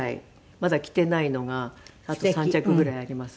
まだ着ていないのがあと３着ぐらいあります。